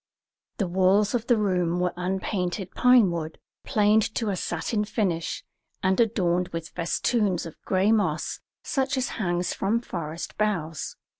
The walls of the room were of unpainted pinewood, planed to a satin finish, and adorned with festoons of gray moss such as hangs from forest boughs.